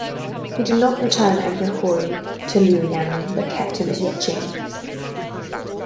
He did not return Emperor Hui to Luoyang, but kept him at Yecheng.